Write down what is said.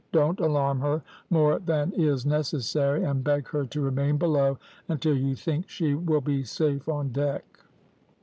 Don't alarm her more than is necessary, and beg her to remain below until you think she will be safe on deck.'